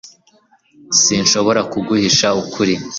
sinshobora kuguhisha ukuri